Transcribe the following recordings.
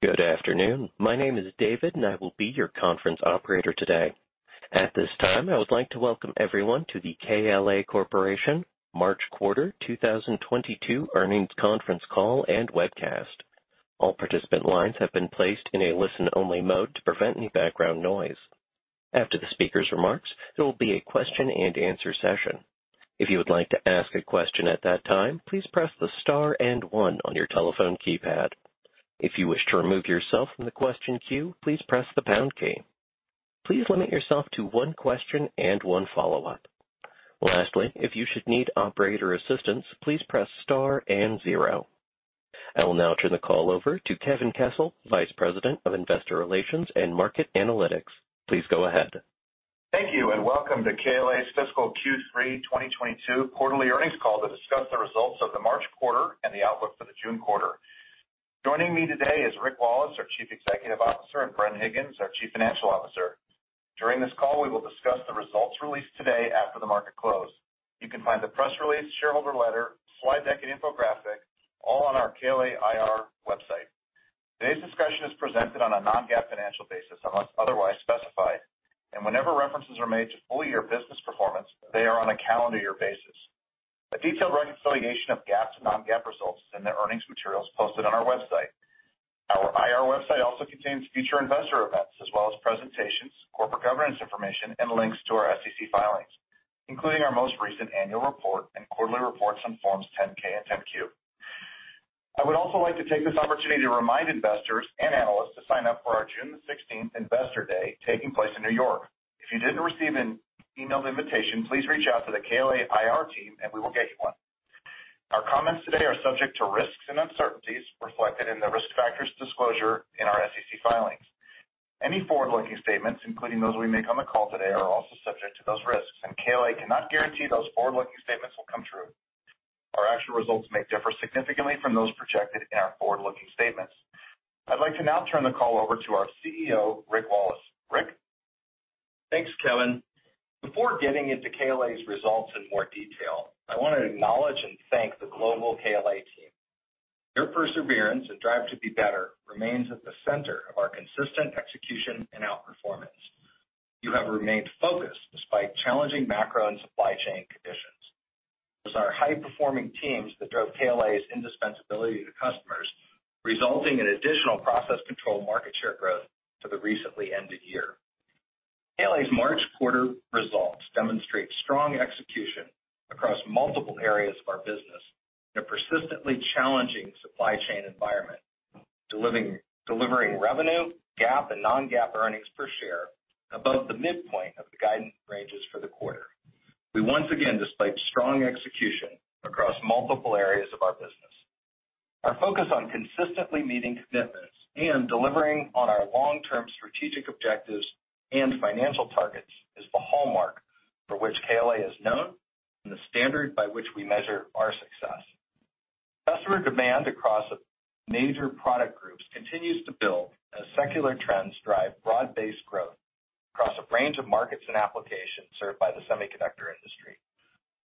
Good afternoon. My name is David, and I will be your conference operator today. At this time, I would like to welcome everyone to the KLA Corporation March quarter 2022 earnings conference call and webcast. All participant lines have been placed in a listen-only mode to prevent any background noise. After the speaker's remarks, there will be a question-and-answer session. If you would like to ask a question at that time, please press the star and one on your telephone keypad. If you wish to remove yourself from the question queue, please press the pound key. Please limit yourself to one question and one follow-up. Lastly, if you should need operator assistance, please press star and zero. I will now turn the call over to Kevin Kessel, Vice President of Investor Relations and Market Analytics. Please go ahead. Thank you, and welcome to KLA's fiscal Q3 2022 quarterly earnings call to discuss the results of the March quarter and the outlook for the June quarter. Joining me today is Rick Wallace, our Chief Executive Officer, and Bren Higgins, our Chief Financial Officer. During this call, we will discuss the results released today after the market close. You can find the press release, shareholder letter, slide deck, and infographic all on our KLA IR website. Today's discussion is presented on a non-GAAP financial basis unless otherwise specified, and whenever references are made to full-year business performance, they are on a calendar year basis. A detailed reconciliation of GAAP to non-GAAP results is in the earnings materials posted on our website. Our IR website also contains future investor events as well as presentations, corporate governance information, and links to our SEC filings, including our most recent annual report and quarterly reports on Forms 10-K and 10-Q. I would also like to take this opportunity to remind investors and analysts to sign up for our June sixteenth Investor Day taking place in New York. If you didn't receive an emailed invitation, please reach out to the KLA IR team, and we will get you one. Our comments today are subject to risks and uncertainties reflected in the risk factors disclosure in our SEC filings. Any forward-looking statements, including those we make on the call today, are also subject to those risks, and KLA cannot guarantee those forward-looking statements will come true. Our actual results may differ significantly from those projected in our forward-looking statements. I'd like to now turn the call over to our CEO, Rick Wallace. Rick. Thanks, Kevin. Before getting into KLA's results in more detail, I want to acknowledge and thank the global KLA team. Your perseverance and drive to be better remains at the center of our consistent execution and outperformance. You have remained focused despite challenging macro and supply chain conditions. It was our high-performing teams that drove KLA's indispensability to customers, resulting in additional process control market share growth for the recently ended year. KLA's March quarter results demonstrate strong execution across multiple areas of our business in a persistently challenging supply chain environment, delivering revenue, GAAP, and non-GAAP earnings per share above the midpoint of the guidance ranges for the quarter. We once again displayed strong execution across multiple areas of our business. Our focus on consistently meeting commitments and delivering on our long-term strategic objectives and financial targets is the hallmark for which KLA is known and the standard by which we measure our success. Customer demand across major product groups continues to build as secular trends drive broad-based growth across a range of markets and applications served by the semiconductor industry.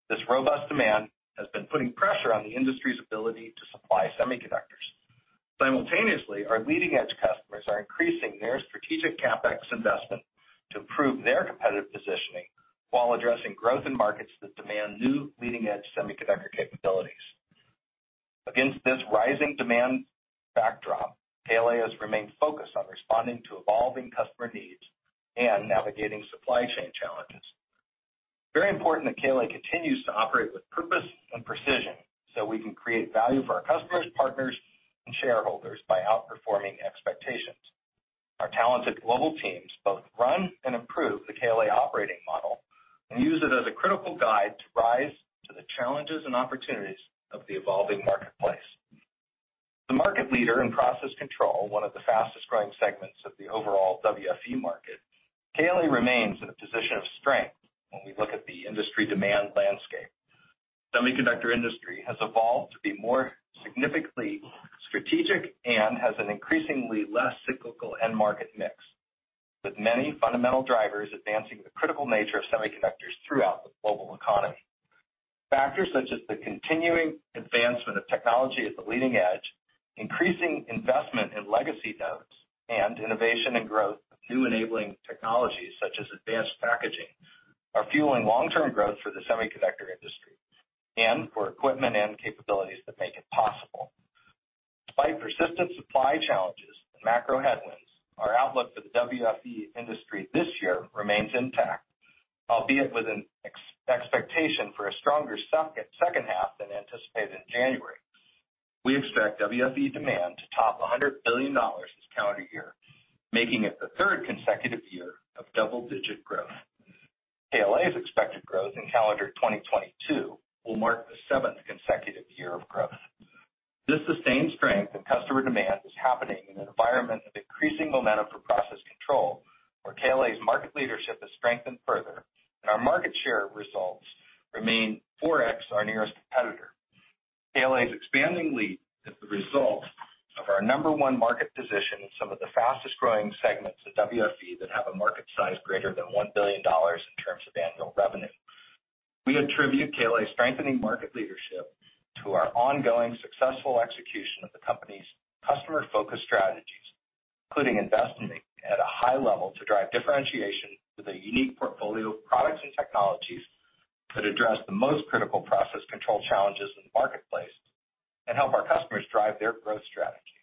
This robust demand has been putting pressure on the industry's ability to supply semiconductors. Simultaneously, our leading-edge customers are increasing their strategic CapEx investment to improve their competitive positioning while addressing growth in markets that demand new leading-edge semiconductor capabilities. Against this rising demand backdrop, KLA has remained focused on responding to evolving customer needs and navigating supply chain challenges. Very important that KLA continues to operate with purpose and precision so we can create value for our customers, partners, and shareholders by outperforming expectations. Our talented global teams both run and improve the KLA operating model and use it as a critical guide to rise to the challenges and opportunities of the evolving marketplace. The market leader in process control, one of the fastest-growing segments of the overall WFE market, KLA remains in a position of strength when we look at the industry demand landscape. Semiconductor industry has evolved to be more significantly strategic and has an increasingly less cyclical end market mix, with many fundamental drivers advancing the critical nature of semiconductors throughout the global economy. Factors such as the continuing advancement of technology at the leading edge, increasing investment in legacy nodes, and innovation and growth of new enabling technologies such as advanced packaging are fueling long-term growth for the semiconductor industry and for equipment and capabilities that make it possible. Despite persistent supply challenges and macro headwinds, our outlook for the WFE industry this year remains intact, albeit with an expectation for a stronger second half than anticipated in January. We expect WFE demand to top $100 billion this calendar year, making it the third consecutive year of double-digit growth. KLA's expected growth in calendar 2022 will mark the seventh consecutive year of growth. This sustained strength in customer demand is happening in an environment of increasing momentum for process control, where KLA's market leadership has strengthened further, and our market share results remain 4x our nearest competitor. KLA's expanding lead is the result of our number one market position in some of the fastest-growing segments of WFE that have a market size greater than $1 billion in terms of annual revenue. We attribute KLA's strengthening market leadership to our ongoing successful execution of the company's customer-focused strategies, including investing at a high level to drive differentiation with a unique portfolio of products and technologies that address the most critical process control challenges in the marketplace, and help our customers drive their growth strategy.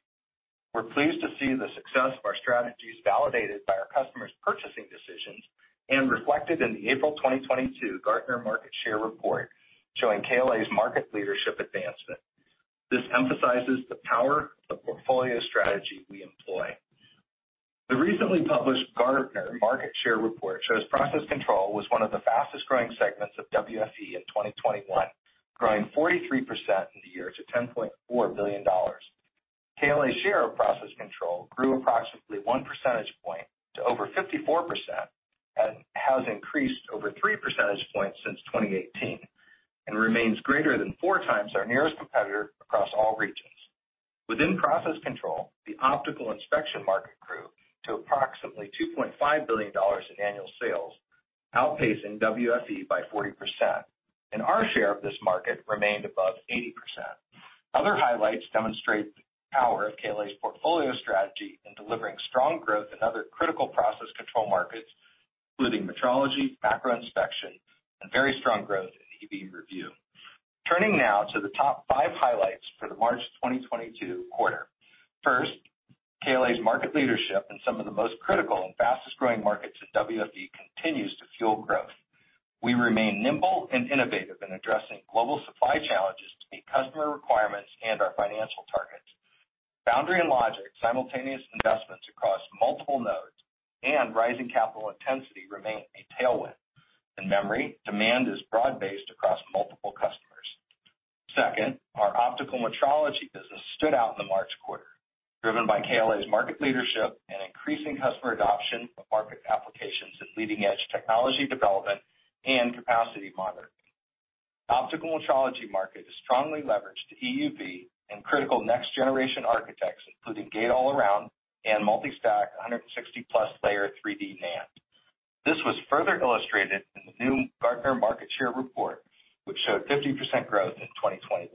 We're pleased to see the success of our strategies validated by our customers' purchasing decisions, and reflected in the April 2022 Gartner market share report, showing KLA's market leadership advancement. This emphasizes the power of the portfolio strategy we employ. The recently published Gartner market share report shows process control was one of the fastest-growing segments of WFE in 2021, growing 43% in the year to $10.4 billion. KLA's share of process control grew approximately 1 percentage point to over 54%, and has increased over 3 percentage points since 2018, and remains greater than 4x our nearest competitor across all regions. Within process control, the optical inspection market grew to approximately $2.5 billion in annual sales, outpacing WFE by 40%, and our share of this market remained above 80%. Other highlights demonstrate the power of KLA's portfolio strategy in delivering strong growth in other critical process control markets, including metrology, macro inspection, and very strong growth in EUV review. Turning now to the top five highlights for the March 2022 quarter. First, KLA's market leadership in some of the most critical and fastest-growing markets in WFE continues to fuel growth. We remain nimble and innovative in addressing global supply challenges to meet customer requirements and our financial targets. Foundry and logic, simultaneous investments across multiple nodes, and rising capital intensity remain a tailwind. In memory, demand is broad-based across multiple customers. Second, our optical metrology business stood out in the March quarter, driven by KLA's market leadership and increasing customer adoption of market applications in leading-edge technology development and capacity modeling. Optical metrology market is strongly leveraged to EUV and critical next-generation architectures, including gate-all-around and multi-stack 160+-layer 3D NAND. This was further illustrated in the new Gartner market share report, which showed 50% growth in 2021.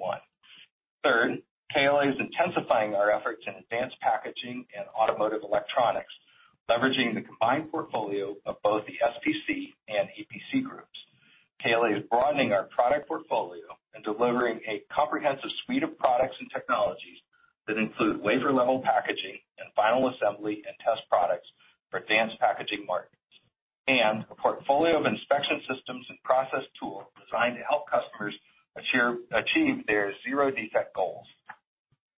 Third, KLA is intensifying our efforts in advanced packaging and automotive electronics, leveraging the combined portfolio of both the SPC and EPC groups. KLA is broadening our product portfolio and delivering a comprehensive suite of products and technologies that include wafer-level packaging and final assembly and test products for advanced packaging markets, and a portfolio of inspection systems and process tools designed to help customers achieve their zero-defect goals.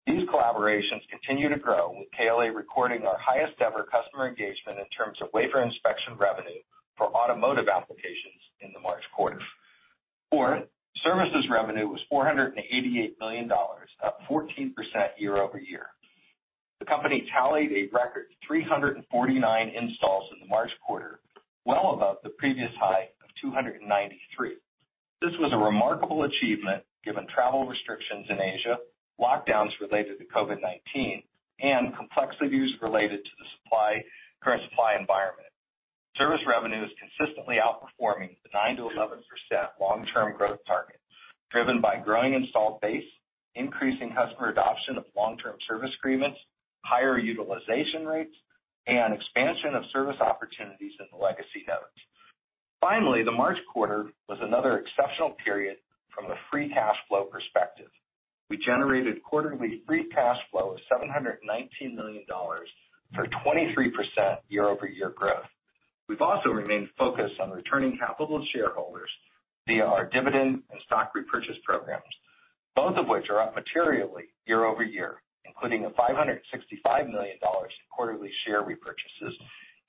These collaborations continue to grow, with KLA recording our highest ever customer engagement in terms of wafer inspection revenue for automotive applications in the March quarter. Fourth, services revenue was $488 million, up 14% year-over-year. The company tallied a record 349 installs in the March quarter, well above the previous high of 293. This was a remarkable achievement given travel restrictions in Asia, lockdowns related to COVID-19, and complexities related to the current supply environment. Service revenue is consistently outperforming the 9%-11% long-term growth target, driven by growing installed base, increasing customer adoption of long-term service agreements, higher utilization rates, and expansion of service opportunities in the legacy nodes. Finally, the March quarter was another exceptional period from a free cash flow perspective. We generated quarterly free cash flow of $719 million for 23% year-over-year growth. We've also remained focused on returning capital to shareholders via our dividend and stock repurchase programs, both of which are up materially year-over-year, including $565 million in quarterly share repurchases,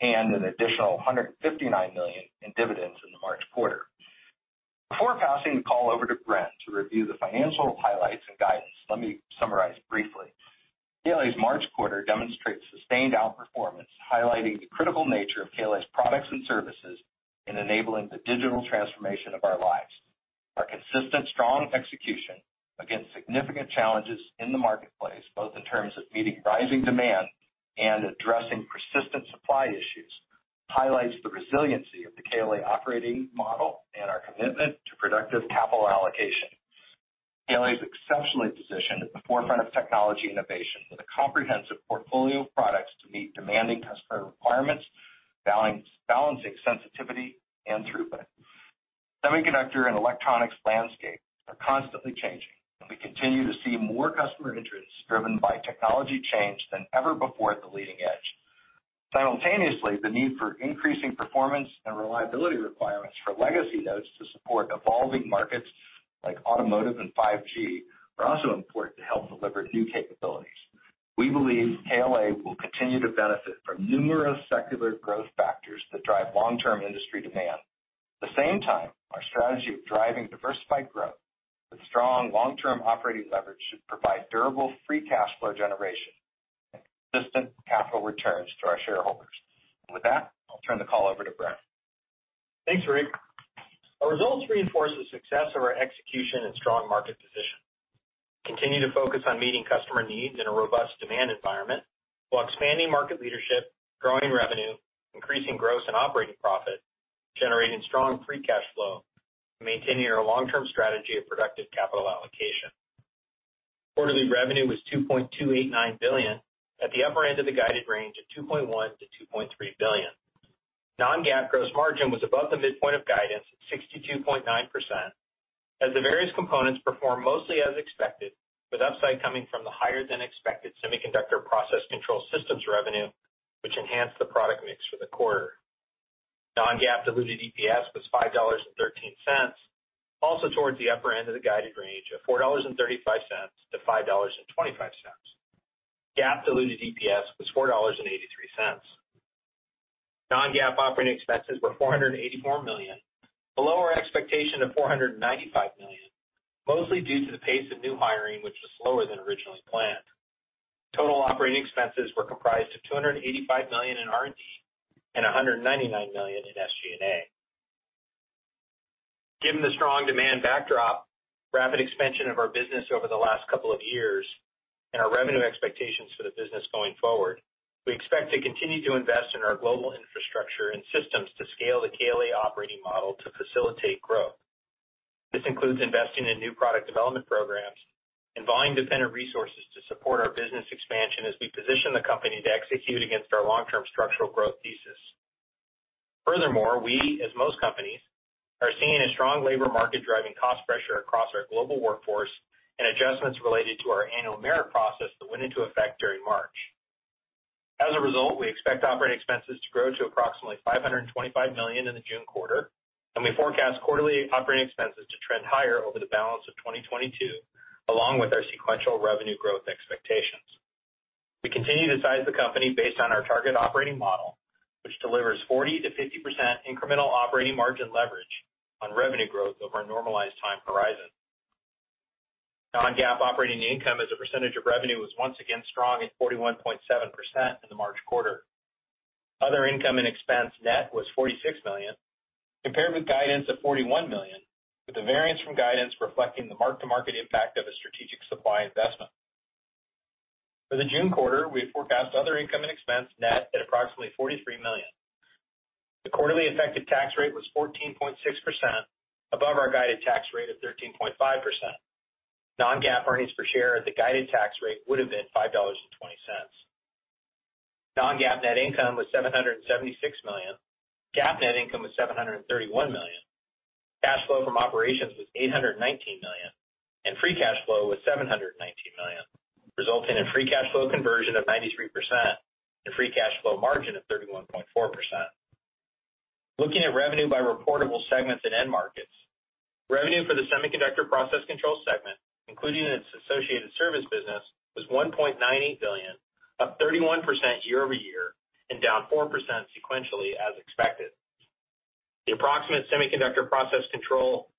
and an additional $159 million in dividends in the March quarter. Before passing the call over to Bren to review the financial highlights and guidance, let me summarize briefly. KLA's March quarter demonstrates sustained outperformance, highlighting the critical nature of KLA's products and services in enabling the digital transformation of our lives. Our consistent strong execution against significant challenges in the marketplace, both in terms of meeting rising demand and addressing persistent supply issues, highlights the resiliency of the KLA operating model and our commitment to productive capital allocation. KLA is exceptionally positioned at the forefront of technology innovation with a comprehensive portfolio of products to meet demanding customer requirements, balancing sensitivity and throughput. Semiconductor and electronics landscapes are constantly changing, and we continue to see more customer interest driven by technology change than ever before at the leading edge. Simultaneously, the need for increasing performance and reliability requirements for legacy nodes to support evolving markets like automotive and 5G are also important to help deliver new capabilities. We believe KLA will continue to benefit from numerous secular growth factors that drive long-term industry demand. At the same time, our strategy of driving diversified growth with strong long-term operating leverage should provide durable free cash flow generation and consistent capital returns to our shareholders. With that, I'll turn the call over to Bren. Thanks, Rick. Our results reinforce the success of our execution and strong market position. Continue to focus on meeting customer needs in a robust demand environment while expanding market leadership, growing revenue, increasing gross and operating profit, generating strong free cash flow, and maintaining our long-term strategy of productive capital allocation. Quarterly revenue was $2.289 billion at the upper end of the guided range of $2.1 billion-$2.3 billion. Non-GAAP gross margin was above the midpoint of guidance at 62.9% as the various components performed mostly as expected, with upside coming from the higher than expected semiconductor process control systems revenue, which enhanced the product mix for the quarter. Non-GAAP diluted EPS was $5.13, also towards the upper end of the guided range of $4.35-$5.25. GAAP diluted EPS was $4.83. Non-GAAP operating expenses were $484 million, below our expectation of $495 million, mostly due to the pace of new hiring, which was slower than originally planned. Total operating expenses were comprised of $285 million in R&D and $199 million in SG&A. Given the strong demand backdrop, rapid expansion of our business over the last couple of years, and our revenue expectations for the business going forward, we expect to continue to invest in our global infrastructure and systems to scale the KLA operating model to facilitate growth. This includes investing in new product development programs and volume dependent resources to support our business expansion as we position the company to execute against our long-term structural growth thesis. Furthermore, we, as most companies, are seeing a strong labor market driving cost pressure across our global workforce and adjustments related to our annual merit process that went into effect during March. As a result, we expect operating expenses to grow to approximately $525 million in the June quarter, and we forecast quarterly operating expenses to trend higher over the balance of 2022, along with our sequential revenue growth expectations. We continue to size the company based on our target operating model, which delivers 40%-50% incremental operating margin leverage on revenue growth over our normalized time horizon. non-GAAP operating income as a percentage of revenue was once again strong at 41.7% in the March quarter. Other income and expense net was $46 million, compared with guidance of $41 million, with the variance from guidance reflecting the mark-to-market impact of a strategic supply investment. For the June quarter, we forecast other income and expense net at approximately $43 million. The quarterly effective tax rate was 14.6%, above our guided tax rate of 13.5%. Non-GAAP earnings per share at the guided tax rate would have been $5.20. Non-GAAP net income was $776 million. GAAP net income was $731 million. Cash flow from operations was $819 million, and free cash flow was $719 million, resulting in free cash flow conversion of 93% and free cash flow margin of 31.4%. Looking at revenue by reportable segments and end markets. Revenue for the semiconductor process control segment, including its associated service business, was $1.98 billion, up 31% year-over-year and down 4% sequentially as expected. The approximate semiconductor process control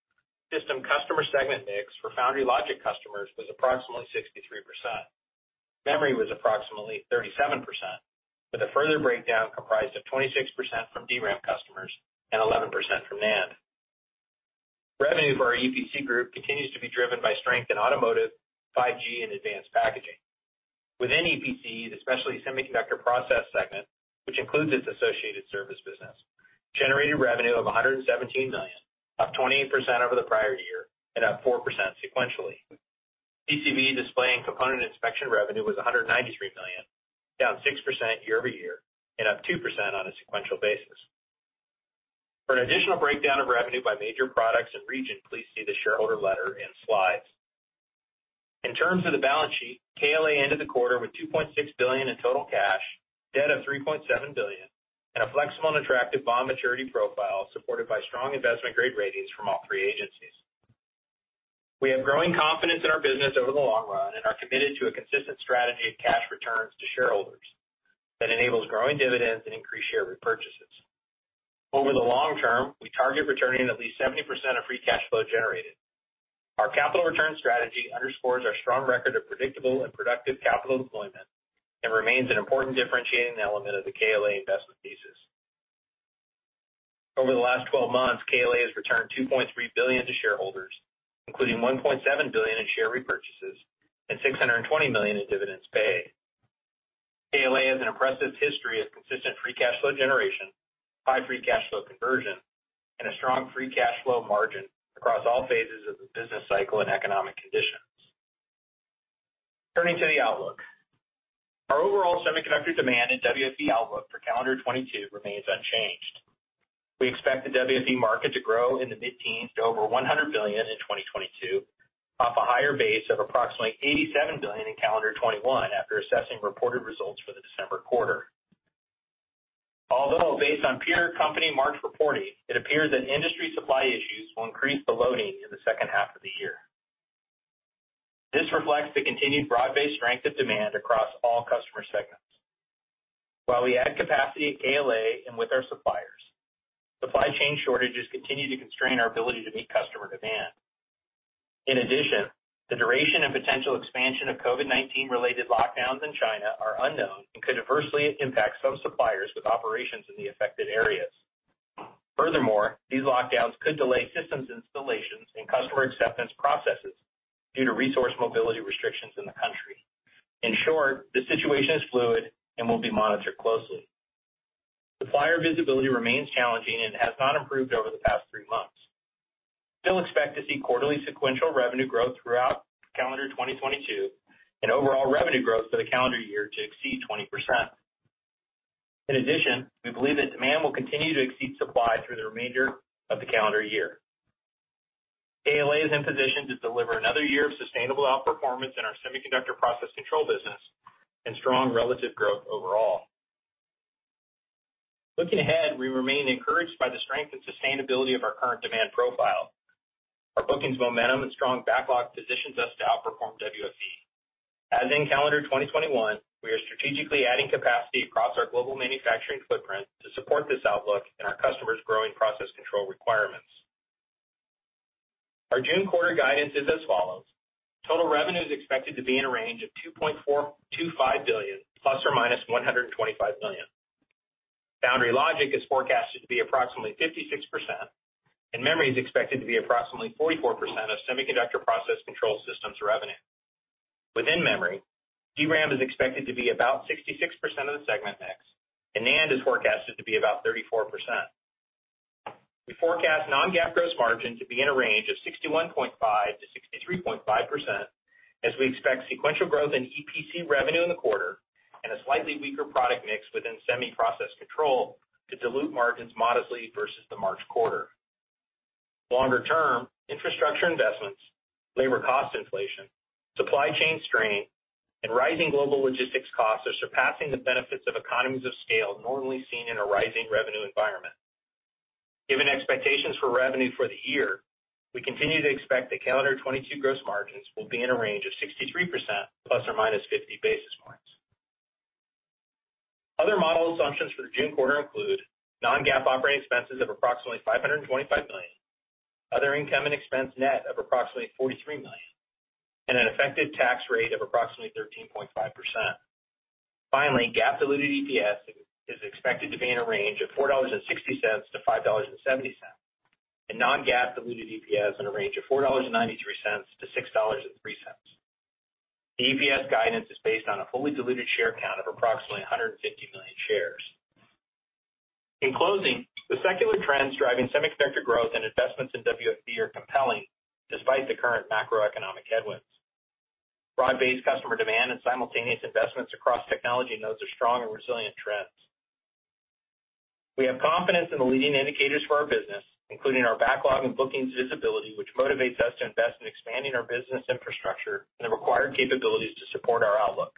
system customer segment mix for foundry logic customers was approximately 63%. Memory was approximately 37%, with a further breakdown comprised of 26% from DRAM customers and 11% from NAND. Revenue for our EPC group continues to be driven by strength in automotive, 5G, and advanced packaging. Within EPC, especially semiconductor process segment, which includes its associated service business, generated revenue of $117 million, up 28% over the prior year and up 4% sequentially. PCB display and component inspection revenue was $193 million, down 6% year-over-year and up 2% on a sequential basis. For an additional breakdown of revenue by major products and region, please see the shareholder letter and slides. In terms of the balance sheet, KLA ended the quarter with $2.6 billion in total cash, debt of $3.7 billion, and a flexible and attractive bond maturity profile supported by strong investment-grade ratings from all three agencies. We have growing confidence in our business over the long run and are committed to a consistent strategy of cash returns to shareholders that enables growing dividends and increased share repurchases. Over the long term, we target returning at least 70% of free cash flow generated. Our capital return strategy underscores our strong record of predictable and productive capital deployment and remains an important differentiating element of the KLA investment thesis. Over the last 12 months, KLA has returned $2.3 billion to shareholders, including $1.7 billion in share repurchases and $620 million in dividends paid. KLA has an impressive history of consistent free cash flow generation, high free cash flow conversion, and a strong free cash flow margin across all phases of the business cycle and economic conditions. Turning to the outlook. Our overall semiconductor demand and WFE outlook for calendar 2022 remains unchanged. We expect the WFE market to grow in the mid-teens to over $100 billion in 2022, off a higher base of approximately $87 billion in calendar 2021 after assessing reported results for the December quarter. Although based on peer company March reporting, it appears that industry supply issues will increase the loading in the second half of the year. This reflects the continued broad-based strength of demand across all customer segments. While we add capacity at KLA and with our suppliers, supply chain shortages continue to constrain our ability to meet customer demand. In addition, the duration and potential expansion of COVID-19 related lockdowns in China are unknown and could adversely impact some suppliers with operations in the affected areas. Moreover, these lockdowns could delay systems installations and customer acceptance processes due to resource mobility restrictions in the country. In short, the situation is fluid and will be monitored closely. Supplier visibility remains challenging and has not improved over the past three months. Still expect to see quarterly sequential revenue growth throughout calendar 2022 and overall revenue growth for the calendar year to exceed 20%. In addition, we believe that demand will continue to exceed supply through the remainder of the calendar year. KLA is in position to deliver another year of sustainable outperformance in our semiconductor process control business and strong relative growth overall. Looking ahead, we remain encouraged by the strength and sustainability of our current demand profile. Our bookings momentum and strong backlog positions us to outperform WFE. As in calendar 2021, we are strategically adding capacity across our global manufacturing footprint to support this outlook and our customers' growing process control requirements. Our June quarter guidance is as follows. Total revenue is expected to be in a range of $2.425 billion ± $125 million. Foundry logic is forecasted to be approximately 56%, and memory is expected to be approximately 44% of semiconductor process control systems revenue. Within memory, DRAM is expected to be about 66% of the segment mix, and NAND is forecasted to be about 34%. We forecast non-GAAP gross margin to be in a range of 61.5%-63.5%, as we expect sequential growth in EPC revenue in the quarter and a slightly weaker product mix within semi process control to dilute margins modestly versus the March quarter. Longer term infrastructure investments, labor cost inflation, supply chain strain, and rising global logistics costs are surpassing the benefits of economies of scale normally seen in a rising revenue environment. Given expectations for revenue for the year, we continue to expect that calendar 2022 gross margins will be in a range of 63% plus or minus 50 basis points. Other model assumptions for the June quarter include non-GAAP operating expenses of approximately $525 million, other income and expense net of approximately $43 million, and an effective tax rate of approximately 13.5%. Finally, GAAP diluted EPS is expected to be in a range of $4.60-$5.70, and non-GAAP diluted EPS in a range of $4.93-$6.03. The EPS guidance is based on a fully diluted share count of approximately 150 million shares. In closing, the secular trends driving semiconductor growth and investments in WFE are compelling despite the current macroeconomic headwinds. Broad-based customer demand and simultaneous investments across technology nodes are strong and resilient trends. We have confidence in the leading indicators for our business, including our backlog and bookings visibility, which motivates us to invest in expanding our business infrastructure and the required capabilities to support our outlook.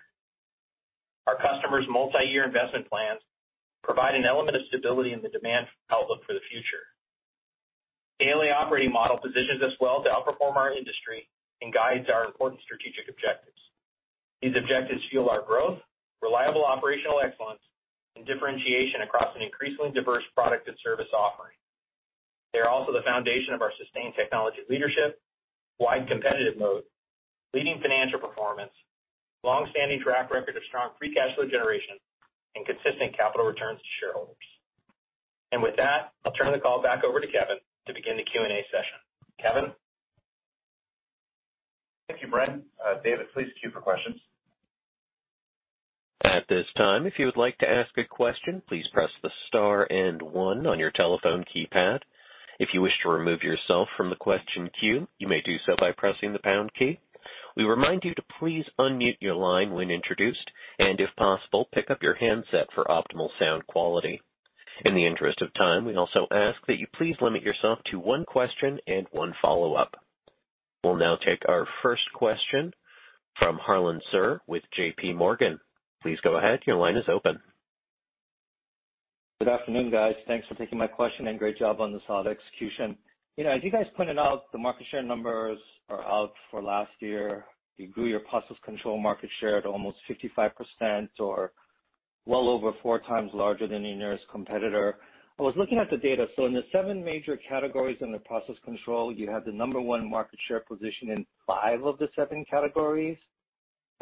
Our customers' multi-year investment plans provide an element of stability in the demand outlook for the future. The KLA operating model positions us well to outperform our industry and guides our important strategic objectives. These objectives fuel our growth, reliable operational excellence, and differentiation across an increasingly diverse product and service offering. They're also the foundation of our sustained technology leadership, wide competitive moat, leading financial performance, long-standing track record of strong free cash flow generation, and consistent capital returns to shareholders. With that, I'll turn the call back over to Kevin to begin the Q&A session. Kevin? Thank you, Bren. David, please queue for questions. At this time, if you would like to ask a question, please press the star and one on your telephone keypad. If you wish to remove yourself from the question queue, you may do so by pressing the pound key. We remind you to please unmute your line when introduced, and if possible, pick up your handset for optimal sound quality. In the interest of time, we also ask that you please limit yourself to one question and one follow-up. We'll now take our first question from Harlan Sur with JPMorgan. Please go ahead. Your line is open. Good afternoon, guys. Thanks for taking my question and great job on the solid execution. You know, as you guys pointed out, the market share numbers are out for last year. You grew your process control market share to almost 55% or well over 4x larger than your nearest competitor. I was looking at the data. In the 7 major categories in the process control, you have the number one market share position in 5 of the 7 categories.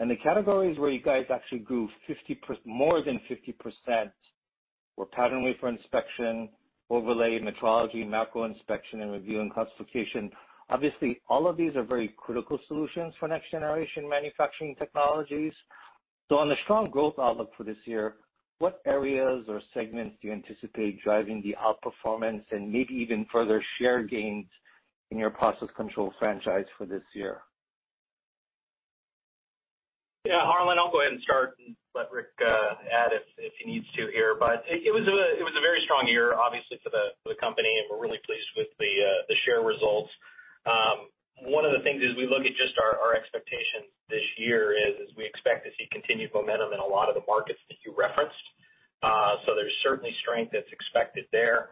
The categories where you guys actually grew 50%, more than 50% were patterned wafer inspection, overlay metrology, macro inspection, and review and classification. Obviously, all of these are very critical solutions for next-generation manufacturing technologies. On a strong growth outlook for this year, what areas or segments do you anticipate driving the outperformance and maybe even further share gains in your process control franchise for this year? Yeah, Harlan, I'll go ahead and start and let Rick add if he needs to here. It was a very strong year, obviously for the company, and we're really pleased with the share results. One of the things as we look at just our expectations this year is we expect to see continued momentum in a lot of the markets that you referenced. There's certainly strength that's expected there.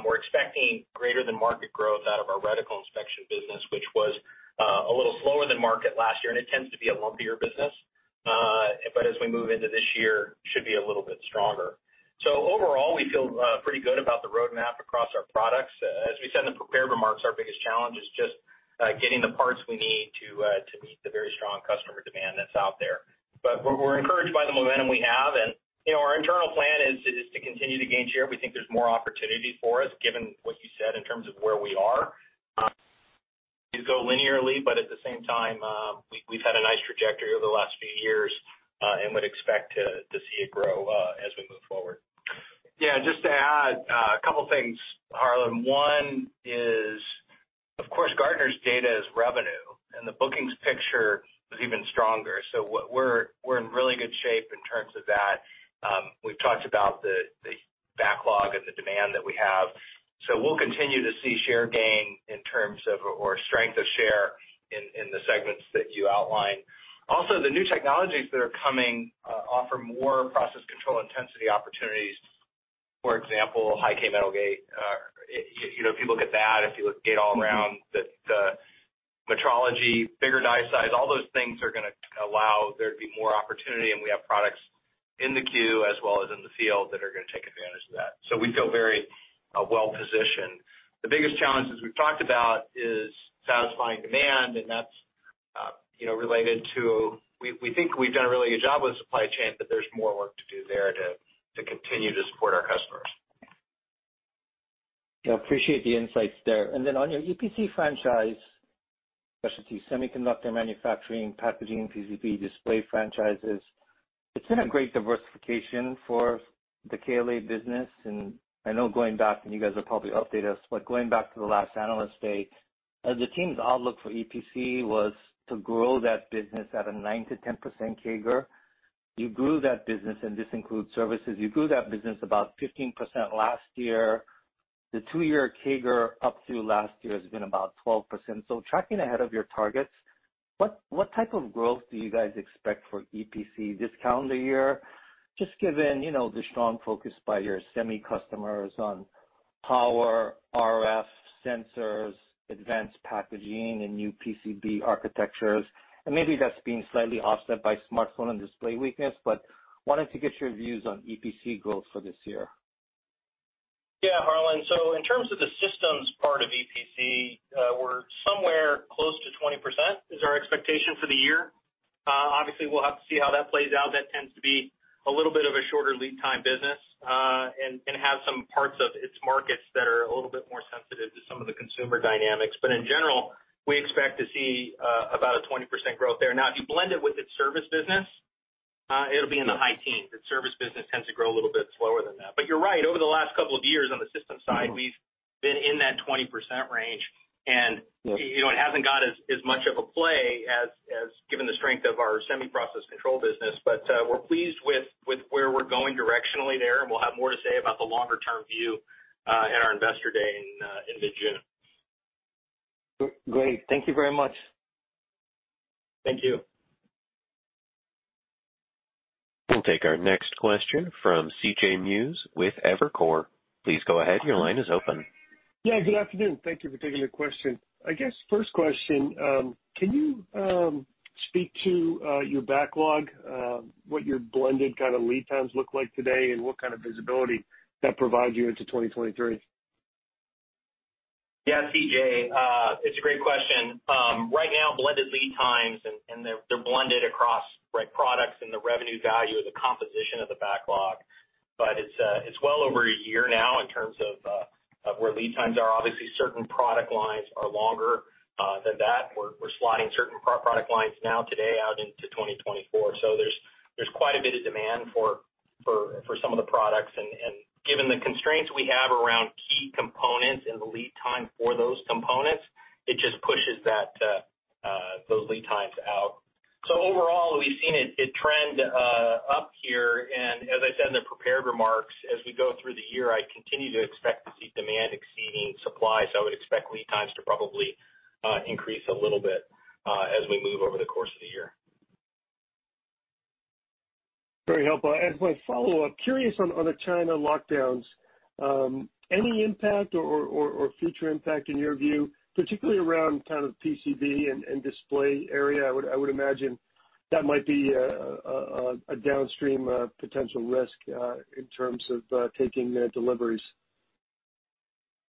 We're expecting greater than market growth out of our reticle inspection business, which was a little slower than market last year, and it tends to be a lumpier business. As we move into this year, should be a little bit stronger. Overall, we feel pretty good about the roadmap across our products. As we said in the prepared remarks, our biggest challenge is just getting the parts we need to meet the very strong customer demand that's out there. We're encouraged by the momentum we have. You know, our internal plan is to continue to gain share. We think there's more opportunity for us, given what you said in terms of where we are to go linearly, but at the same time, we've had a nice trajectory over the last few years, and would expect to see it grow as we move forward. Yeah, just to add, a couple things, Harlan. One is, of course, Gartner's data is revenue, and the bookings picture is even stronger. We're in really good shape in terms of that. We've talked about the backlog and the demand that we have. We'll continue to see share gain in terms of, or strength of share in the segments that you outlined. Also, the new technologies that are coming offer more process control intensity opportunities. For example, high-k metal gate. You know, if people get that, if you look gate-all-around, the metrology, bigger die size, all those things are gonna allow there to be more opportunity, and we have products in the queue as well as in the field that are gonna take advantage of that. We feel very well-positioned. The biggest challenges we've talked about is satisfying demand, and that's, you know, related to we think we've done a really good job with supply chain, but there's more work to do there to continue to support our customers. Yeah, appreciate the insights there. Then on your EPC franchise, especially semiconductor manufacturing, packaging, FPD display franchises, it's been a great diversification for the KLA business. I know going back, and you guys will probably update us, but going back to the last Analyst Day, the team's outlook for EPC was to grow that business at a 9%-10% CAGR. You grew that business, and this includes services, you grew that business about 15% last year. The two-year CAGR up to last year has been about 12%. Tracking ahead of your targets, what type of growth do you guys expect for EPC this calendar year? Just given, you know, the strong focus by your semi customers on power, RF, sensors, advanced packaging, and new PCB architectures, and maybe that's being slightly offset by smartphone and display weakness, but wanted to get your views on EPC growth for this year? Yeah, Harlan. In terms of the systems part of EPC, we're somewhere close to 20% is our expectation for the year. Obviously, we'll have to see how that plays out. That tends to be a little bit of a shorter lead time business, and have some parts of its markets that are a little bit more sensitive to some of the consumer dynamics. In general, we expect to see about a 20% growth there. Now, if you blend it with its service business, it'll be in the high teens. The service business tends to grow a little bit slower than that. You're right. Over the last couple of years on the system side, we've been in that 20% range, and.. Yes. You know, it hasn't got as much of a play as given the strength of our semi process control business. We're pleased with where we're going directionally there, and we'll have more to say about the longer-term view at our investor day in mid-June. Great. Thank you very much. Thank you. We'll take our next question from C.J. Muse with Evercore. Please go ahead. Your line is open. Yeah, good afternoon. Thank you for taking the question. I guess first question, can you speak to your backlog, what your blended kind of lead times look like today, and what kind of visibility that provides you into 2023? Yeah, C.J., it's a great question. Right now, blended lead times, and they're blended across our products and the revenue value of the composition of the backlog, but it's well over a year now in terms of where lead times are. Obviously, certain product lines are longer than that. We're sliding certain product lines now today out into 2024. So there's quite a bit of demand for some of the products. Given the constraints we have around key components and the lead time for those components, it just pushes those lead times out. So overall, we've seen it trend up here, and as I said in the prepared remarks, as we go through the year, I continue to expect to see demand exceeding supply. I would expect lead times to probably increase a little bit as we move over the course of the year. Very helpful. As my follow-up, curious on the China lockdowns, any impact or future impact in your view, particularly around kind of PCB and display area? I would imagine that might be a downstream potential risk in terms of taking deliveries.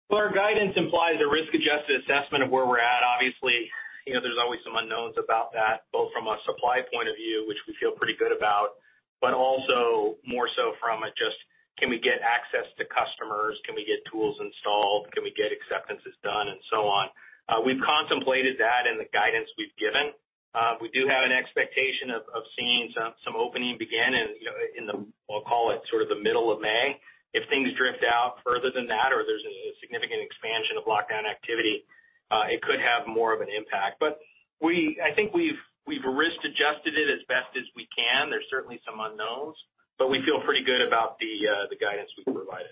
Well, our guidance implies a risk-adjusted assessment of where we're at. Obviously, you know, there's always some unknowns about that, both from a supply point of view, which we feel pretty good about, but also more so from just can we get access to customers, can we get tools installed, can we get acceptances done, and so on. We've contemplated that in the guidance we've given. We do have an expectation of seeing some opening begin in, you know, the we'll call it sort of the middle of May. If things drift out further than that or there's a significant expansion of lockdown activity, it could have more of an impact. I think we've risk-adjusted it as best as we can. There's certainly some unknowns, but we feel pretty good about the guidance we've provided.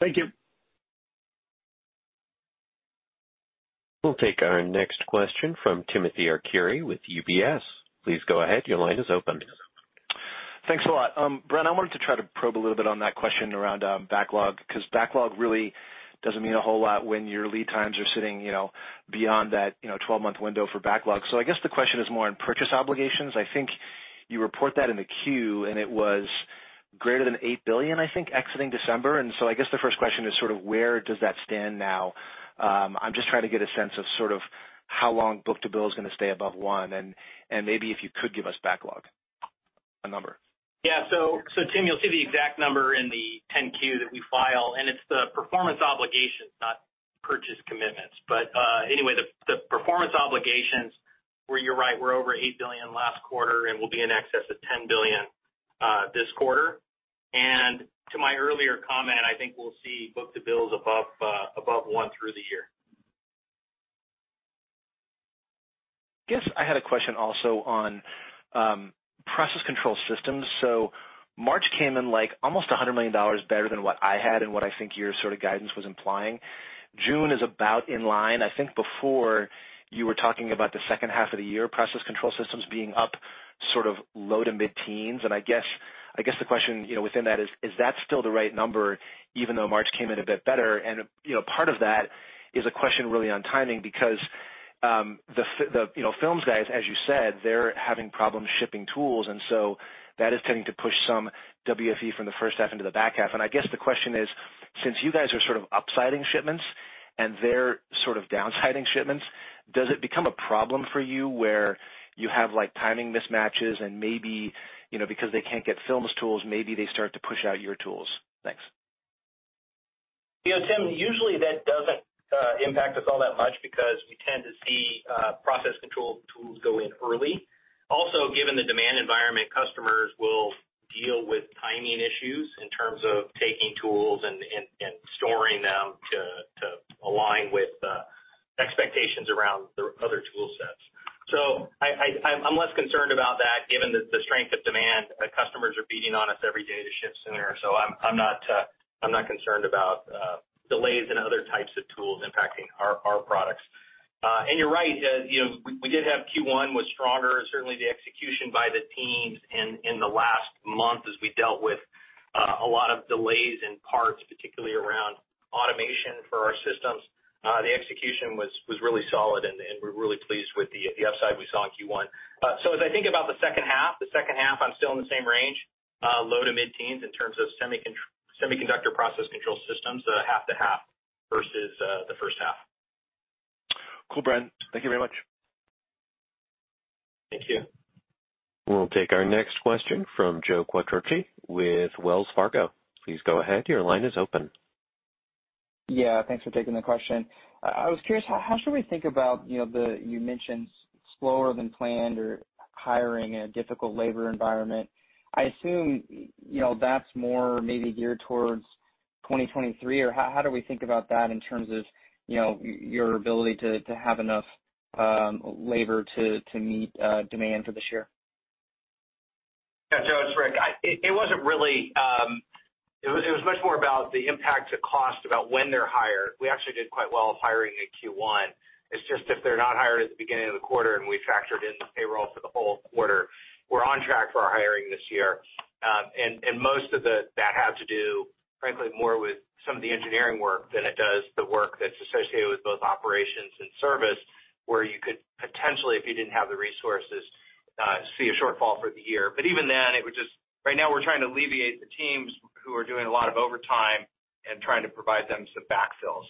Thank you. We'll take our next question from Timothy Arcuri with UBS. Please go ahead. Your line is open. Thanks a lot. Bren, I wanted to try to probe a little bit on that question around backlog, because backlog really doesn't mean a whole lot when your lead times are sitting, you know, beyond that, you know, 12-month window for backlog. I guess the question is more on purchase obligations. I think you report that in the 10-Q, and it was Greater than $8 billion, I think, exiting December. I guess the first question is sort of where does that stand now? I'm just trying to get a sense of sort of how long book-to-bill is gonna stay above one, and maybe if you could give us backlog, a number. Yeah. Timothy, you'll see the exact number in the 10-Q that we file, and it's the performance obligations, not purchase commitments. The performance obligations, where you're right, were over $8 billion last quarter and will be in excess of $10 billion this quarter. To my earlier comment, I think we'll see book-to-bill is above 1 through the year. Guess I had a question also on process control systems. March came in, like, almost $100 million better than what I had and what I think your sort of guidance was implying. June is about in line. I think before you were talking about the second half of the year, process control systems being up sort of low- to mid-teens. I guess the question, you know, within that is that still the right number even though March came in a bit better? You know, part of that is a question really on timing because the films guys, as you said, they're having problems shipping tools, and so that is tending to push some WFE from the first half into the back half. I guess the question is, since you guys are sort of upsiding shipments and they're sort of downsizing shipments, does it become a problem for you where you have, like, timing mismatches and maybe, you know, because they can't get films tools, maybe they start to push out your tools? Thanks. You know, Tim, usually that doesn't impact us all that much because we tend to see process control tools go in early. Also, given the demand environment, customers will deal with timing issues in terms of taking tools and storing them to align with expectations around the other tool sets. So I'm less concerned about that given the strength of demand. Customers are beating on us every day to ship sooner. So I'm not concerned about delays in other types of tools impacting our products. You're right. As you know, we did have Q1 was stronger, certainly the execution by the teams in the last month as we dealt with a lot of delays in parts, particularly around automation for our systems. The execution was really solid, and we're really pleased with the upside we saw in Q1. As I think about the second half, I'm still in the same range, low- to mid-teens% in terms of semiconductor process control systems, half to half versus the first half. Cool, Bren. Thank you very much. Thank you. We'll take our next question from Joe Quatrochi with Wells Fargo. Please go ahead. Your line is open. Yeah, thanks for taking the question. I was curious, how should we think about, you know, you mentioned slower than planned on hiring in a difficult labor environment. I assume you know, that's more maybe geared towards 2023, or how do we think about that in terms of, you know, your ability to have enough labor to meet demand for this year? Yeah. Joe, it's Rick. It wasn't really. It was much more about the impact to cost about when they're hired. We actually did quite well hiring in Q1. It's just if they're not hired at the beginning of the quarter and we factored in payroll for the whole quarter. We're on track for our hiring this year. Most of that had to do, frankly, more with some of the engineering work than it does the work that's associated with both operations and service, where you could potentially, if you didn't have the resources, see a shortfall for the year. Even then, right now we're trying to alleviate the teams who are doing a lot of overtime and trying to provide them some backfill.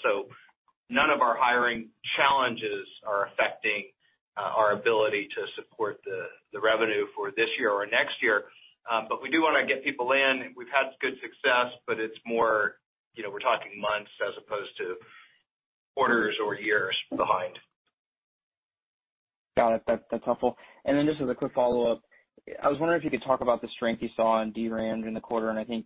None of our hiring challenges are affecting our ability to support the revenue for this year or next year. We do wanna get people in. We've had good success, but it's more, you know, we're talking months as opposed to quarters or years behind. Got it. That's helpful. Then just as a quick follow-up, I was wondering if you could talk about the strength you saw in DRAM in the quarter, and I think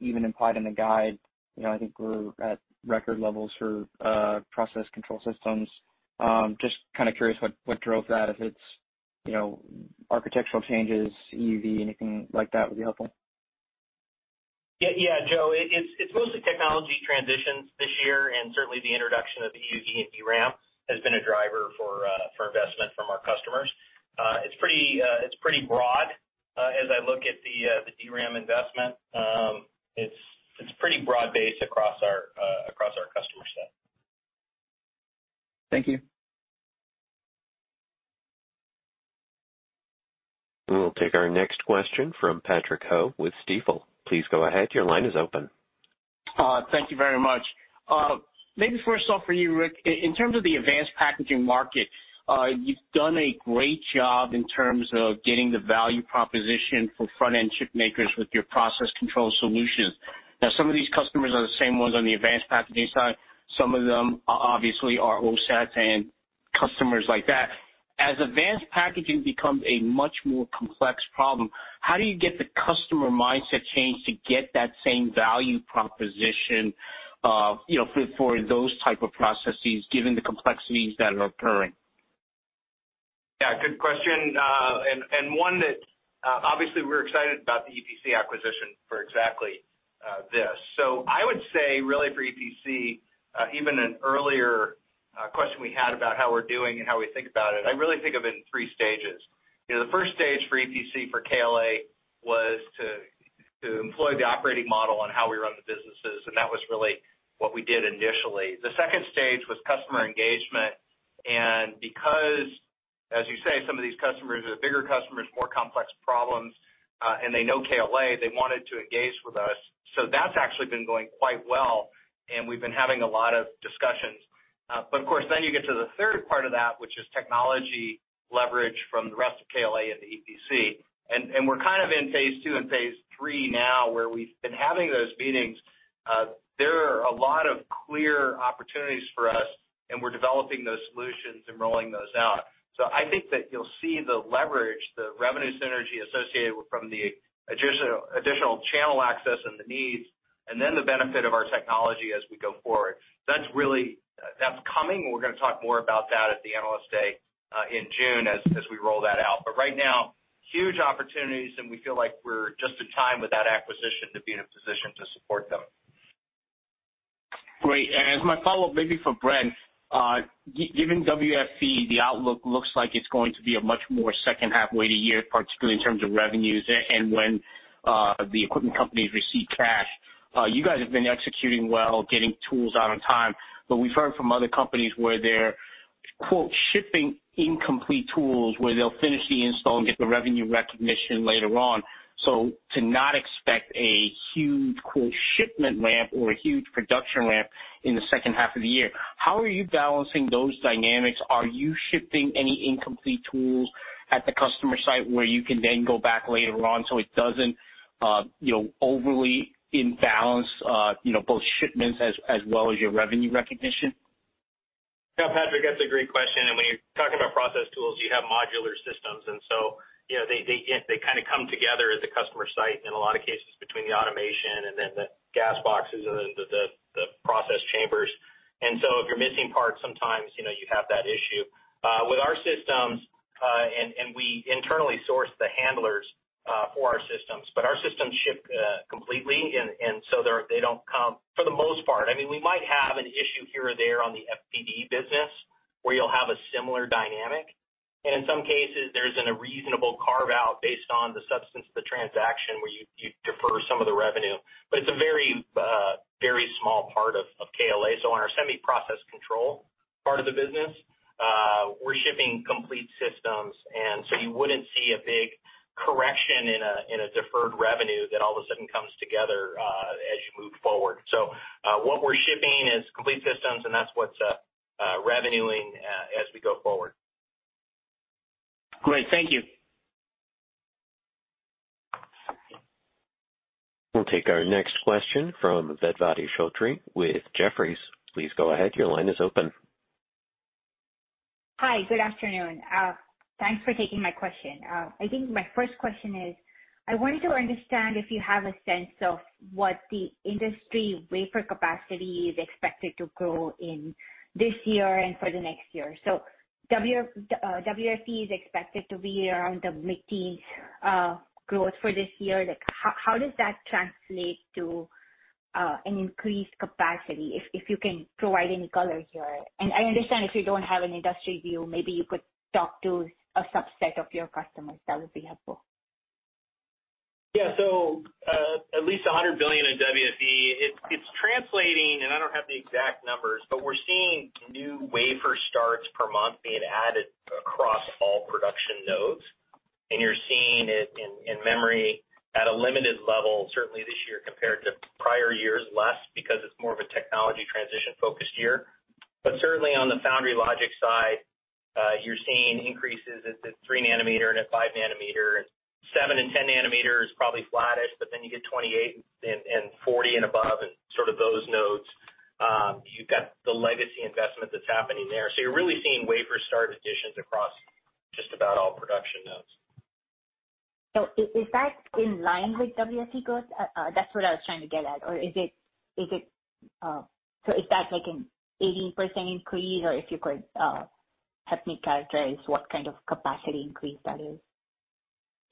even implied in the guide, you know, I think we're at record levels for process control systems. Just kind of curious what drove that. If it's, you know, architectural changes, EUV, anything like that would be helpful. Yeah. Yeah, Joe. It's mostly technology transitions this year, and certainly the introduction of the EUV and DRAM has been a driver for investment from our customers. It's pretty broad, as I look at the DRAM investment. It's pretty broad-based across our customer set. Thank you. We'll take our next question from Patrick Ho with Stifel. Please go ahead. Your line is open. Thank you very much. Maybe first off for you, Rick. In terms of the advanced packaging market, you've done a great job in terms of getting the value proposition for front-end chip makers with your process control solutions. Now, some of these customers are the same ones on the advanced packaging side. Some of them obviously are OSATs and customers like that. As advanced packaging becomes a much more complex problem, how do you get the customer mindset change to get that same value proposition, you know, for those type of processes, given the complexities that are occurring? Yeah, good question. One that obviously we're excited about the EPC acquisition for exactly this. I would say really for EPC, even an earlier question we had about how we're doing and how we think about it, I really think of it in three stages. You know, the first stage for EPC for KLA was to employ the operating model on how we run the businesses, and that was really what we did initially. The second stage was customer engagement, and because, as you say, some of these customers are bigger customers, more complex problems, and they know KLA, they wanted to engage with us. That's actually been going quite well, and we've been having a lot of discussions. Of course, then you get to the third part of that, which is technology leverage from the rest of KLA and the EPC. We're kind of in phase II and phase III now, where we've been having those meetings. There are a lot of clear opportunities for us, and we're developing those solutions and rolling those out. I think that you'll see the leverage, the revenue synergy associated with from the additional channel access and the needs, and then the benefit of our technology as we go forward. That's really coming. We're gonna talk more about that at the Analyst Day in June as we roll that out. Right now, huge opportunities, and we feel like we're just in time with that acquisition to be in a position to support them. Great. As my follow-up, maybe for Bren. Given WFE, the outlook looks like it's going to be a much more second half weighted year, particularly in terms of revenues and when the equipment companies receive cash. You guys have been executing well, getting tools out on time. We've heard from other companies where they're, quote, shipping incomplete tools where they'll finish the install and get the revenue recognition later on. To not expect a huge, quote, shipment ramp or a huge production ramp in the second half of the year. How are you balancing those dynamics? Are you shipping any incomplete tools at the customer site where you can then go back later on, so it doesn't you know overly imbalance you know both shipments as well as your revenue recognition? Yeah, Patrick, that's a great question. When you're talking about process tools, you have modular systems. They kind of come together at a customer site in a lot of cases between the automation and then the gas boxes and then the process chambers. If you're missing parts, sometimes you have that issue. With our systems, and we internally source the handlers for our systems, but our systems ship completely. They don't come for the most part. I mean, we might have an issue here or there on the FPD business where you'll have a similar dynamic. In some cases, there's a reasonable carve-out based on the substance of the transaction, where you defer some of the revenue. It's a very small part of KLA. On our semi process control part of the business, we're shipping complete systems, and you wouldn't see a big correction in a deferred revenue that all of a sudden comes together as you move forward. What we're shipping is complete systems, and that's what's revenuing as we go forward. Great. Thank you. We'll take our next question from Vedvati Shrotri with Jefferies. Please go ahead. Your line is open. Hi. Good afternoon. Thanks for taking my question. I think my first question is, I wanted to understand if you have a sense of what the industry wafer capacity is expected to grow in this year and for the next year. WFE is expected to be around the mid-teens% growth for this year. Like, how does that translate to an increased capacity, if you can provide any color here? I understand if you don't have an industry view, maybe you could talk to a subset of your customers. That would be helpful. Yeah. At least $100 billion in WFE, it's translating, and I don't have the exact numbers, but we're seeing new wafer starts per month being added across all production nodes. You're seeing it in memory at a limited level, certainly this year compared to prior years, less because it's more of a technology transition-focused year. Certainly, on the foundry logic side, you're seeing increases at the 3 nanometer and at 5 nanometer. 7 and 10 nanometer is probably flattish, but then you get 28 and 40 and above, and sort of those nodes. You've got the legacy investment that's happening there. You're really seeing wafer start additions across just about all production nodes. Is that in line with WFE growth? That's what I was trying to get at. Or is it like an 80% increase, or if you could help me characterize what kind of capacity increase that is.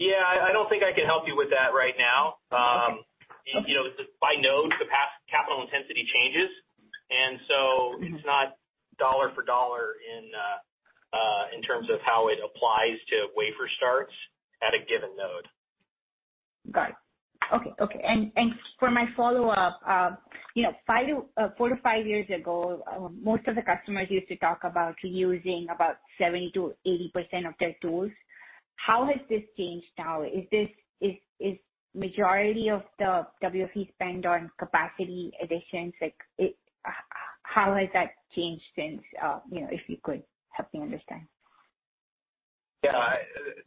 Yeah. I don't think I can help you with that right now. Okay. You know, by node, the past capital intensity changes, and so it's not dollar for dollar in terms of how it applies to wafer starts at a given node. Got it. Okay. For my follow-up, you know, four to five years ago, most of the customers used to talk about using about 70%-80% of their tools. How has this changed now? Is this majority of the WFE spend on capacity additions? Like, how has that changed since, you know, if you could help me understand? Yeah.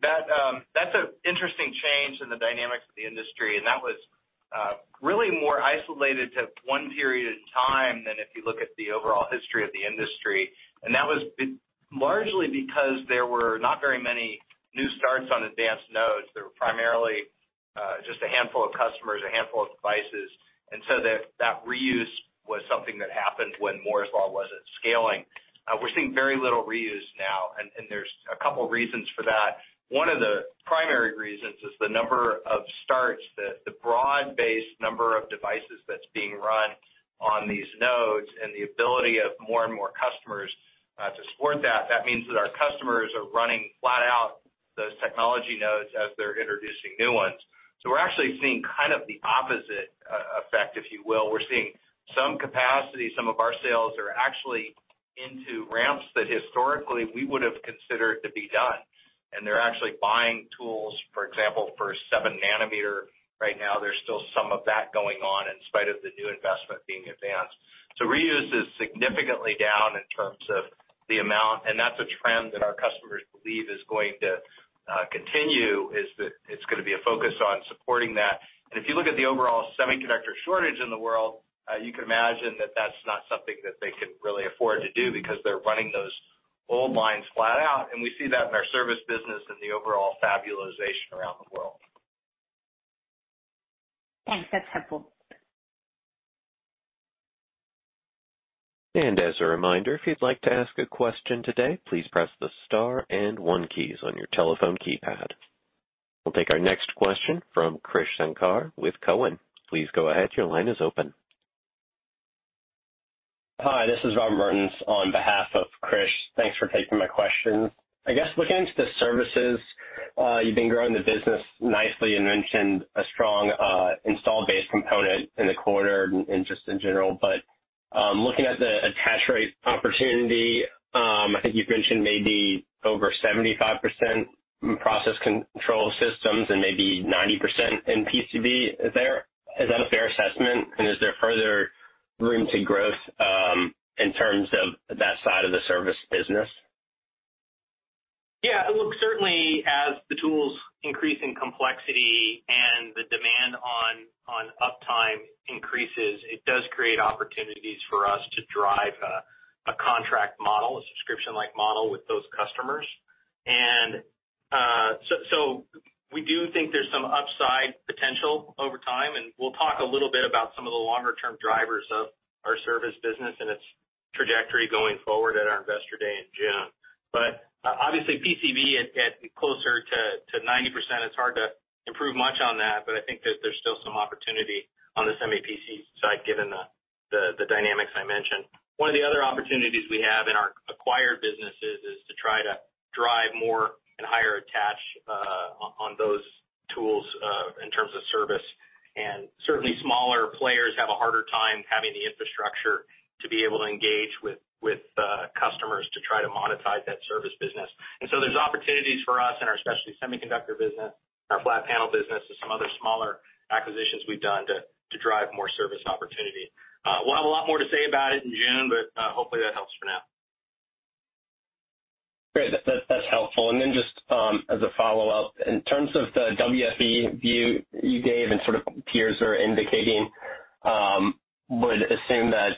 That's an interesting change in the dynamics of the industry, and that was really more isolated to one period in time than if you look at the overall history of the industry. That was largely because there were not very many new starts on advanced nodes. There were primarily just a handful of customers, a handful of devices. That reuse was something that happened when Moore's Law wasn't scaling. We're seeing very little reuse now, and there's a couple reasons for that. One of the primary reasons is the number of starts, the broad-based number of devices that's being run on these nodes and the ability of more and more customers to support that. That means that our customers are running flat out those technology nodes as they're introducing new ones. We're actually seeing kind of the opposite effect, if you will. We're seeing some capacity, some of our sales are actually into ramps that historically we would have considered to be done. They're actually buying tools, for example, for 7 nanometer right now. There's still some of that going on in spite of the new investment being advanced. Reuse is significantly down in terms of the amount, and that's a trend that our customers believe is going to continue, that it's gonna be a focus on supporting that. If you look at the overall semiconductor shortage in the world, you can imagine that that's not something that they can really afford to do because they're running those old lines flat out, and we see that in our service business and the overall fab utilization around the world. Thanks. That's helpful. As a reminder, if you'd like to ask a question today, please press the star and one keys on your telephone keypad. We'll take our next question from Krish Sankar with Cowen. Please go ahead. Your line is open. Hi, this is Rob Mertens on behalf of Krish. Thanks for taking my question. I guess looking into the services, you've been growing the business nicely and mentioned a strong install base component in the quarter and just in general. Looking at the attach rate opportunity, I think you've mentioned maybe over 75% in process control systems and maybe 90% in PCB. Is that a fair assessment, and is there further room to growth in terms of that side of the service business? Yeah. Look, certainly as the tools increase in complexity and the demand on uptime increases, it does create opportunities for us to drive a contract model, a subscription-like model with those customers. We do think there's some upside potential over time, and we'll talk a little bit about some of the longer-term drivers of our service business and its trajectory going forward at our Investor Day in June. Obviously, PCB at closer to 90%, it's hard to improve much on that, but I think that there's still some opportunity on the semi PCB side given the dynamics I mentioned. One of the other opportunities we have in our acquired businesses is to try to drive more and higher attach on those tools in terms of service. Certainly smaller players have a harder time having the infrastructure to be able to engage with customers to try to monetize that service business. There's opportunities for us in our specialty semiconductor business, our flat panel business, and some other smaller acquisitions we've done to drive more service opportunity. We'll have a lot more to say about it in June, but hopefully that helps for now. Great. That's helpful. As a follow-up, in terms of the WFE view you gave and sort of peers are indicating, would assume that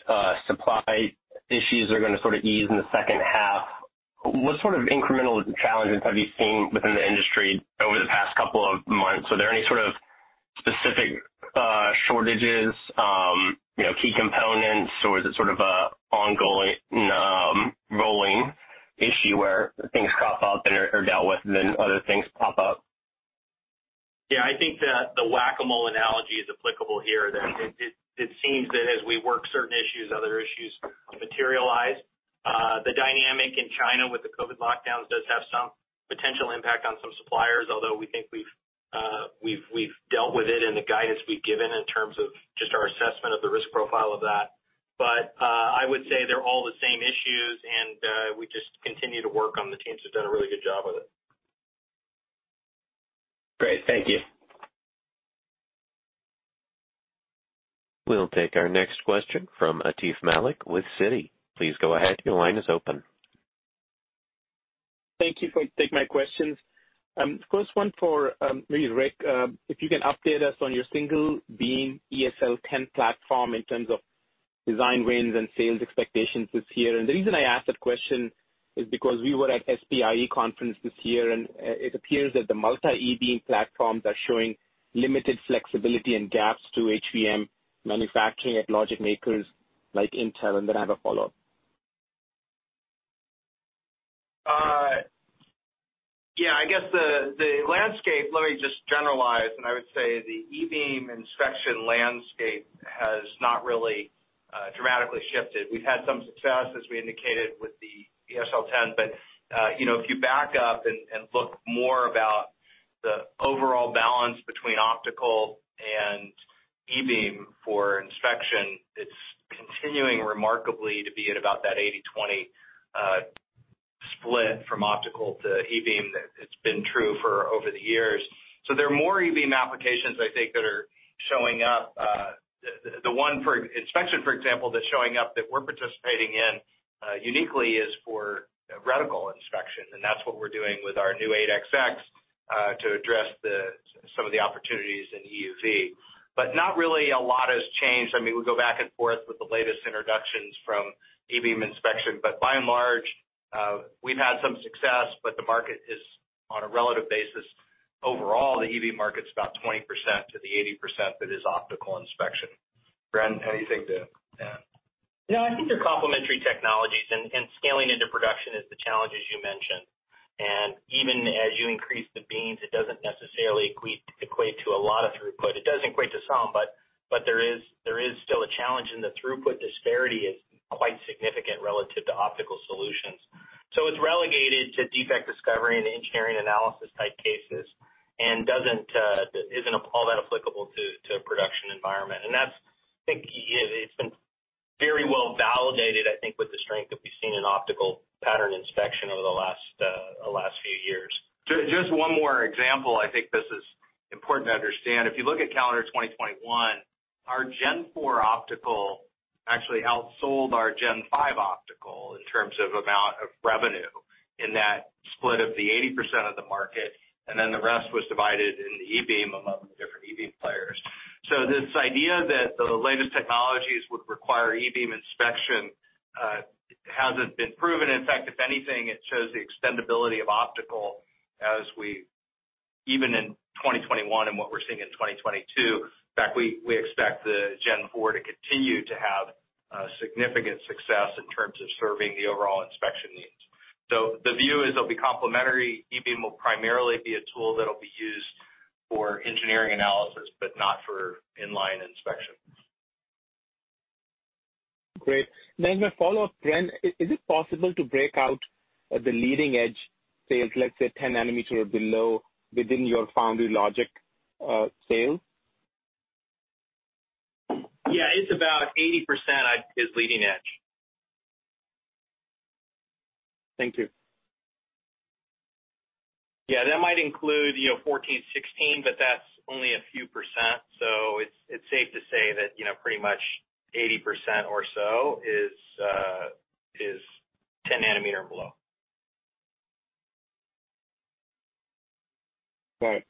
supply issues are gonna sort of ease in the second half. What sort of incremental challenges have you seen within the industry over the past couple of months? Were there any sort of specific shortages, you know, key components, or is it sort of a ongoing rolling issue where things pop up and are dealt with and then other things pop up? Yeah, I think that the whack-a-mole analogy is applicable here. It seems that as we work certain issues, other issues materialize. The dynamic in China with the COVID lockdowns does have some potential impact on some suppliers, although we think we've dealt with it in the guidance we've given in terms of just our assessment of the risk profile of that. I would say they're all the same issues, and we just continue to work on them. The teams have done a really good job with it. Great. Thank you. We'll take our next question from Atif Malik with Citi. Please go ahead. Your line is open. Thank you for taking my questions. First one for, maybe Rick, if you can update us on your single beam eSL10 platform in terms of design wins and sales expectations this year. The reason I ask that question is because we were at SPIE conference this year, and it appears that the multi e-beam platforms are showing limited flexibility and gaps to HVM manufacturing at logic makers like Intel, and then I have a follow-up. Yeah, I guess the landscape. Let me just generalize. I would say the e-beam inspection landscape has not really dramatically shifted. We've had some success, as we indicated, with the eSL10. You know, if you back up and look more about the overall balance between optical and e-beam for inspection, it's continuing remarkably to be at about that 80/20 split from optical to e-beam. It's been true for over the years. So there are more e-beam applications I think that are showing up. The one for inspection, for example, that's showing up that we're participating in uniquely is for reticle inspection, and that's what we're doing with our new 8XX to address some of the opportunities in EUV. Not really a lot has changed. I mean, we go back and forth with the latest introductions from e-beam inspection, but by and large, we've had some success, but the market is on a relative basis. Overall, the e-beam market's about 20% to the 80% that is optical inspection. Bren, anything to add? No, I think they're complementary technologies, and scaling into production is the challenge as you mentioned. Even as you increase the beams, it doesn't necessarily equate to a lot of throughput. It does equate to some, but. There is still a challenge, and the throughput disparity is quite significant relative to optical solutions. It's relegated to defect discovery and engineering analysis type cases, and isn't all that applicable to production environment. That's, I think it's been very well validated, I think with the strength that we've seen in optical pattern inspection over the last few years. Just one more example. I think this is important to understand. If you look at calendar 2021, our Gen4 optical actually outsold our Gen5 optical in terms of amount of revenue in that split of the 80% of the market, and then the rest was divided in the e-beam among the different e-beam players. This idea that the latest technologies would require e-beam inspection hasn't been proven. In fact, if anything, it shows the extendability of optical as we even in 2021 and what we're seeing in 2022. In fact, we expect the Gen4 to continue to have significant success in terms of serving the overall inspection needs. The view is they'll be complementary. E-beam will primarily be a tool that will be used for engineering analysis, but not for in-line inspection. Great. Now in my follow-up, Bren, is it possible to break out the leading edge sales, let's say 10 nanometer below within your foundry logic, sales? Yeah. It's about 80% is leading edge. Thank you. Yeah. That might include, you know, 14, 16, but that's only a few percent. It's safe to say that, you know, pretty much 80% or so is 10 nanometer below. Great.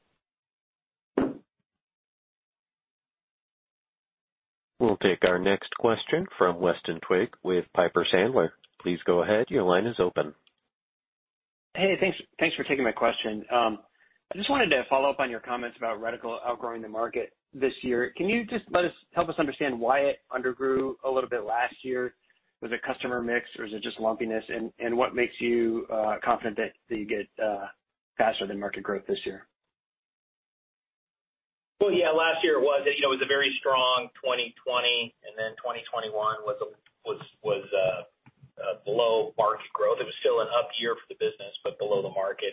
We'll take our next question from Weston Twigg with Piper Sandler. Please go ahead. Your line is open. Hey, thanks. Thanks for taking my question. I just wanted to follow up on your comments about reticle outgrowing the market this year. Can you just help us understand why it undergrew a little bit last year? Was it customer mix or is it just lumpiness? What makes you confident that you get faster than market growth this year? Yeah, last year was, you know, it was a very strong 2020, and then 2021 was a below market growth. It was still an up year for the business, but below the market.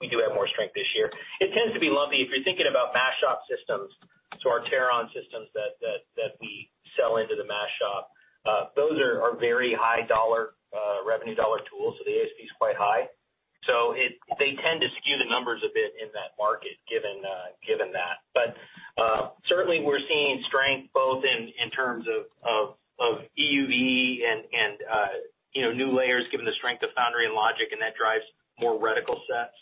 We do have more strength this year. It tends to be lumpy if you're thinking about mask shop systems. Our Teron systems that we sell into the mask shop, those are very high dollar, revenue dollar tools, so the ASP is quite high. They tend to skew the numbers a bit in that market, given that. Certainly we're seeing strength both in terms of EUV and, you know, new layers given the strength of foundry and logic, and that drives more reticle sets.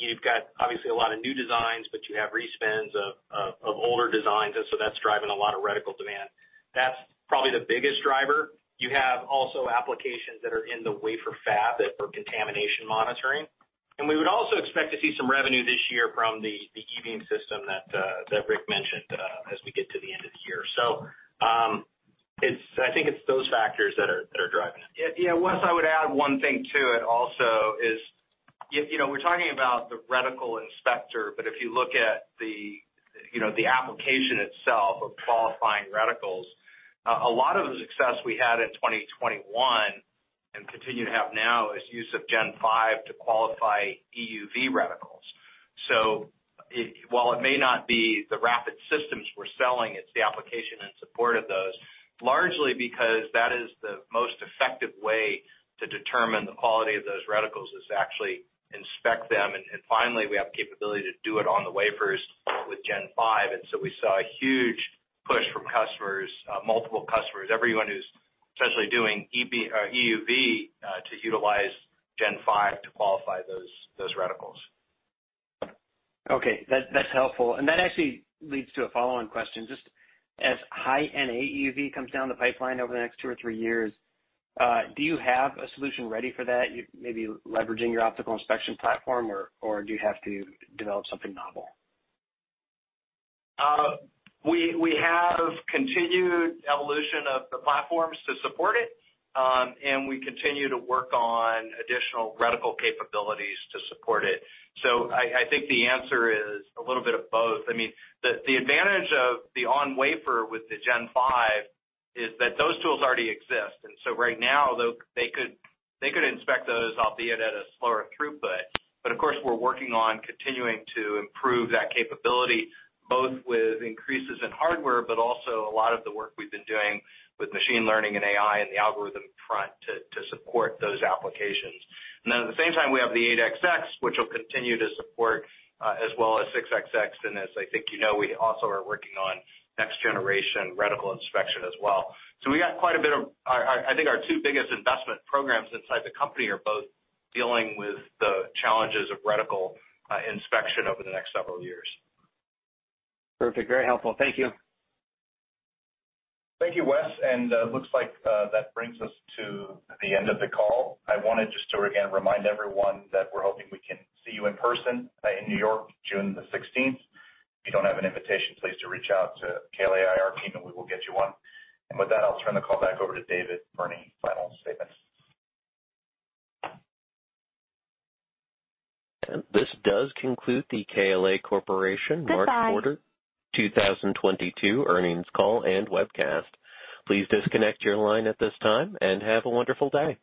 You've got obviously a lot of new designs, but you have respins of older designs, and so that's driving a lot of reticle demand. That's probably the biggest driver. You have also applications that are in the wafer fab that are contamination monitoring. We would also expect to see some revenue this year from the e-beam system that Rick mentioned as we get to the end of the year. It's those factors that are driving it. Yeah. Wes, I would add one thing to it also is, you know, we're talking about the reticle inspector, but if you look at you know, the application itself of qualifying reticles, a lot of the success we had in 2021 and continue to have now is use of Gen5 to qualify EUV reticles. While it may not be the rapid systems we're selling, it's the application in support of those, largely because that is the most effective way to determine the quality of those reticles, is to actually inspect them. Finally, we have the capability to do it on the wafers with Gen5. We saw a huge push from customers, multiple customers, everyone who's potentially doing e-beam or EUV, to utilize Gen5 to qualify those reticles. Okay. That, that's helpful. That actually leads to a follow-on question. Just as High NA EUV comes down the pipeline over the next two or three years, do you have a solution ready for that, maybe leveraging your optical inspection platform, or do you have to develop something novel? We have continued evolution of the platforms to support it, and we continue to work on additional reticle capabilities to support it. I think the answer is a little bit of both. I mean, the advantage of the on-wafer with the Gen 5 is that those tools already exist. Right now, though they could inspect those, albeit at a slower throughput. Of course, we're working on continuing to improve that capability, both with increases in hardware, but also a lot of the work we've been doing with machine learning and AI and the algorithm front to support those applications. At the same time we have the 8XX, which will continue to support, as well as 6XX. As I think you know, we also are working on next generation reticle inspection as well. I think our two biggest investment programs inside the company are both dealing with the challenges of reticle inspection over the next several years. Perfect. Very helpful. Thank you. Thank you, Wes. It looks like that brings us to the end of the call. I want to again remind everyone that we're hoping we can see you in person in New York, June the sixteenth. If you don't have an invitation, please do reach out to KLA IR team, and we will get you one. With that, I'll turn the call back over to David Burney for final statements. This does conclude the KLA Corporation first quarter. Goodbye. 2022 earnings call and webcast. Please disconnect your line at this time and have a wonderful day.